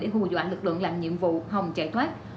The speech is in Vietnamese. hù dọa lực lượng làm nhiệm vụ hòng chạy thoát